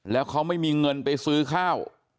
แล้วเขาไม่มีเงินไปซื้อข้าว